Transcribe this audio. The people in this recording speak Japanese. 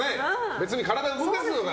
別に体を動かすのが！